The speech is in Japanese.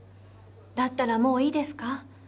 だったらもういいですか。